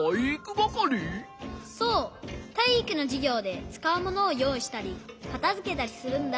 そうたいいくのじゅぎょうでつかうものをよういしたりかたづけたりするんだ。